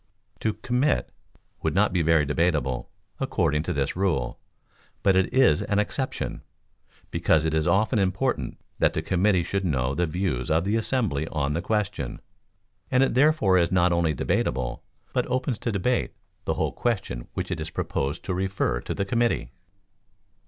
To "Commit" would not be very debatable, according to this rule, but it is an exception, because it is often important that the committee should know the views of the assembly on the question, and it therefore is not only debatable, but opens to debate the whole question which it is proposed to refer to the committee.